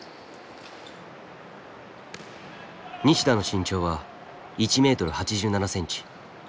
西田の身長は１ｍ８７ｃｍ。